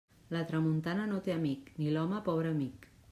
La tramuntana no té amic, ni l'home pobre amic.